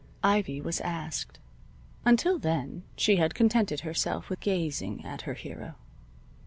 Ivy was asked. Until then she had contented herself with gazing at her hero.